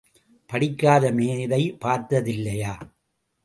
படிக்காத மேதை பார்த்ததில்லையா?